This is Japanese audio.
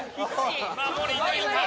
守り抜いた。